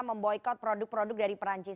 memboykot produk produk dari perancis